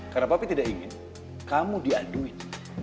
karena papi tidak ingin kamu diaduin